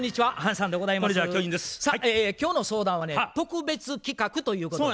さあ今日の相談はね特別企画ということで。